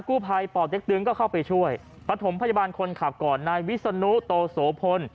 กู้ภัยป่อเต็กตึงก็เข้าไปช่วยปฐมพยาบาลคนขับก่อนนายวิศนุโตโสพล